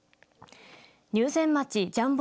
入善町ジャンボ